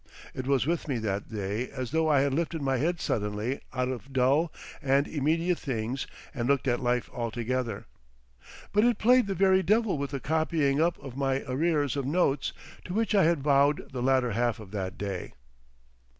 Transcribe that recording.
It was with me that day as though I had lifted my head suddenly out of dull and immediate things and looked at life altogether.... But it played the very devil with the copying up of my arrears of notes to which I had vowed the latter half of that day.